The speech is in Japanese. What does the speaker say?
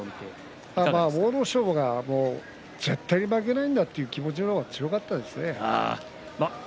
阿武咲がもう絶対に負けないんだという気持ちの方が強かったんじゃないですかね。